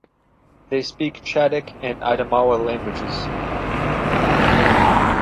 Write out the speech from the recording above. They speak Chadic and Adamawa languages.